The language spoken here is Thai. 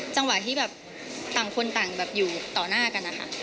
จังหวะที่แบบต่างคนต่างแบบอยู่ต่อหน้ากันนะคะ